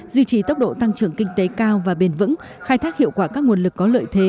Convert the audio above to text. duy trì tốc độ tăng trưởng kinh tế cao và bền vững khai thác hiệu quả các nguồn lực có lợi thế